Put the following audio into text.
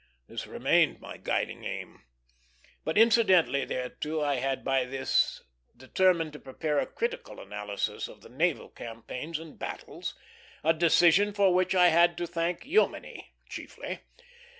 This remained my guiding aim; but incidentally thereto I had by this determined to prepare a critical analysis of the naval campaigns and battles, a decision for which I had to thank Jomini chiefly.